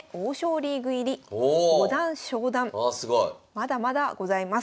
まだまだございます。